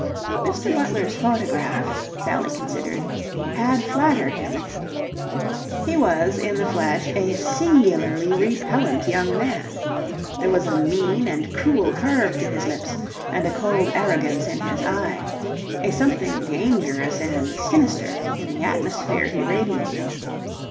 Mr. Butler's photograph, Sally considered, had flattered him. He was, in the flesh, a singularly repellent young man. There was a mean and cruel curve to his lips and a cold arrogance in his eye; a something dangerous and sinister in the atmosphere he radiated.